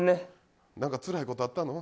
なんかつらいことあったの。